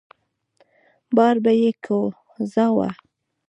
بار به يې کوزاوه.